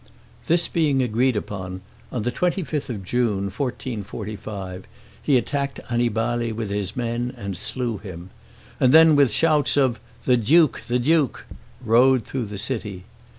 This being agreed upon, on the twenty fifth of June, 1445, he attacked Annibale with his men, and slew him: and then, with shouts of "the duke, the duke," rode through the city.